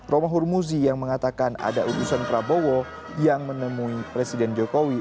romah hurmuzi yang mengatakan ada undusan prabowo yang menemui presiden jokowi